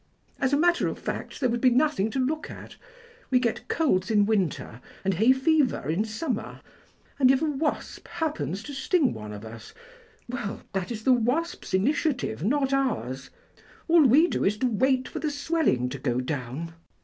As a matter of fact there would be nothing to look at. We get colds in winter and hay fever in summer, and if a wasp happens to sting one of us, well, that is the wasp's initiative, not ours; all we do is to wait for the swelling to go down.